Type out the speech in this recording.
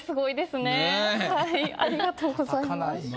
ありがとうございます。